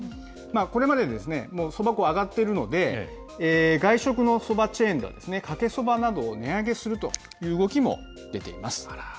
これまで、そば粉上がっているので、外食のそばチェーンでは、かけそばなどを値上げするという動きも出ています。